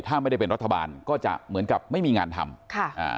ถ้าไม่ได้เป็นรัฐบาลก็จะเหมือนกับไม่มีงานทำค่ะอ่า